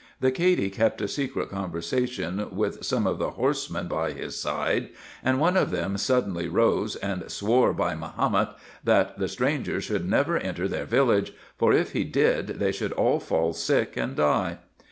The Cady kept a secret conversation with some of the horsemen by his side, and one of them suddenly rose, and swore by Mahomet, that the stranger should never enter their village, for if he did, they should all fall sick and die.